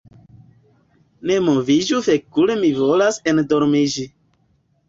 "Ne moviĝu fekul' mi volas endormiĝi